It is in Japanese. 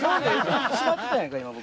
締まってたやんか今僕。